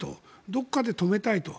どこかで止めたいと。